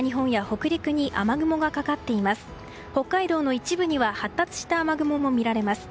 北海道の一部には発達した雨雲も見られます。